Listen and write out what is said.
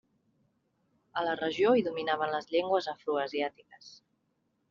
A la regió hi dominaven les llengües afroasiàtiques.